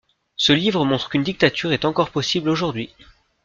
Ce livre montre qu'une dictature est encore possible aujourd'hui.